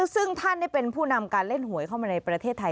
ซึ่งท่านเป็นผู้นำการเล่นหวยเข้ามาในประเทศไทย